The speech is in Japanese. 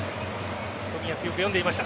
冨安、よく読んでいました。